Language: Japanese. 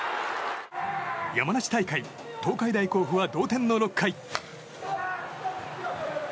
山梨大会東海大甲府は同点の６回。